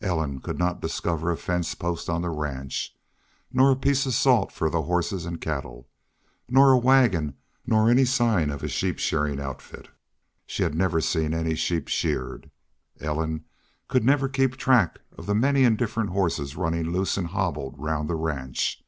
Ellen could not discover a fence post on the ranch, nor a piece of salt for the horses and cattle, nor a wagon, nor any sign of a sheep shearing outfit. She had never seen any sheep sheared. Ellen could never keep track of the many and different horses running loose and hobbled round the ranch.